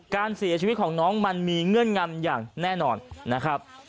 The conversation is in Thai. การเสียชีวิตของน้องมันมีเงื่อนงำอย่างแน่นอนนะครับ